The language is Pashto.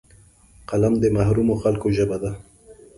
قلم د محرومو خلکو ژبه ده